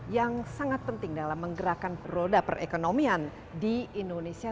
yang sangat penting dalam menggerakkan roda perekonomian di indonesia